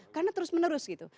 karena terus menerus gitu